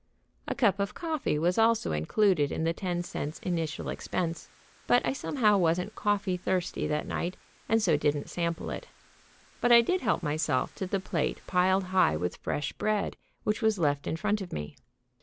A cup of coffee was also included in the ten cents' initial expense, but I somehow wasn't coffee thirsty that night, and so didn't sample it. But I did help myself to the plate piled high with fresh bread which was left in front of me.